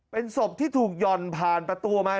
เป็นศพที่ถูกหย่อนผ่านประตูมา